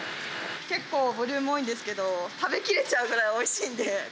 結構ボリューム多いんですけど、食べきれちゃうぐらいおいしいんで。